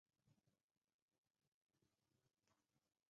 乳房的皮下为脂肪组织。